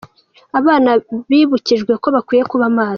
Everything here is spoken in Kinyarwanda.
Abana bibukijwe ko bakwiye kuba maso.